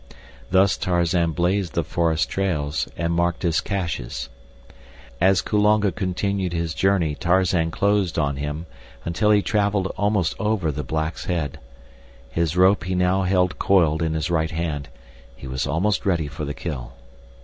Thus Tarzan blazed the forest trails and marked his caches. As Kulonga continued his journey Tarzan closed on him until he traveled almost over the black's head. His rope he now held coiled in his right hand; he was almost ready for the kill.